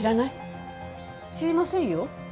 知りませんよ。